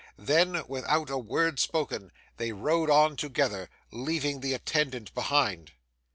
Then, without a word spoken, they rode on together, leaving the attendant behind.